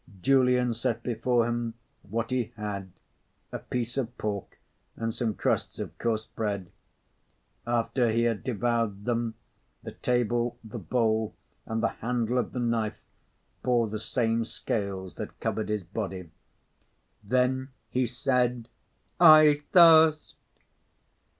Julian set before him what he had, a piece of pork and some crusts of coarse bread. After he had devoured them, the table, the bowl, and the handle of the knife bore the same scales that covered his body. Then he said: "I thirst!"